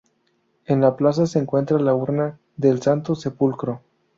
En la plaza se encuentra la urna del Santo Sepulcro.